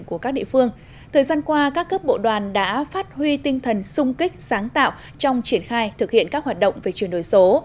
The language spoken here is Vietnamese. các địa phương thời gian qua các cấp bộ đoàn đã phát huy tinh thần sung kích sáng tạo trong triển khai thực hiện các hoạt động về chuyển đổi số